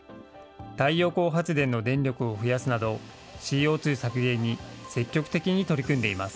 太陽光発電の電力を増やすなど、ＣＯ２削減に積極的に取り組んでいます。